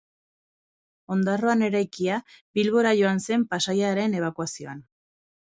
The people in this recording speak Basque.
Ondarroan eraikia, Bilbora joan zen Pasaiaren ebakuazioan.